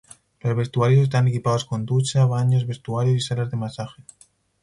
Los vestuarios están equipados con ducha, baños, vestuarios y salas de masaje.